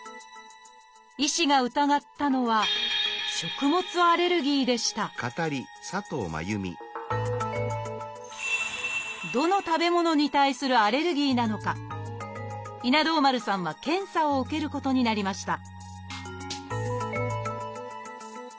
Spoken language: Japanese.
医師が疑ったのはどの食べ物に対するアレルギーなのか稲童丸さんは検査を受けることになりました